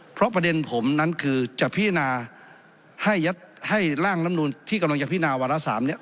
เพราะประเด็นผมนั้นคือจะพิจารณาให้ร่างลำนูนที่กำลังจะพินาวาระ๓เนี่ย